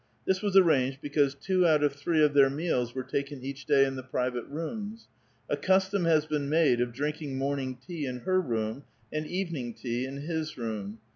This was arranged because two out of three of their meals were taken each dav in the private rooms. A custom has been made of drinking morning tea in her room, and evening tea in his room.